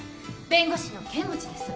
弁護士の剣持です。